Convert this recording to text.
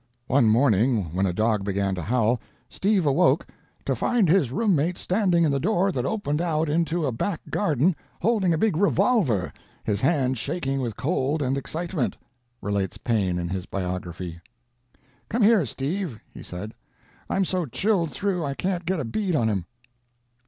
One morning, when a dog began to howl, Steve awoke "to find his room mate standing in the door that opened out into a back garden, holding a big revolver, his hand shaking with cold and excitement," relates Paine in his Biography. "'Come here, Steve,' he said. 'I'm so chilled through I can't get a bead on him.'